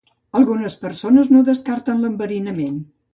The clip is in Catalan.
Algunes persones no descarten l'enverinament.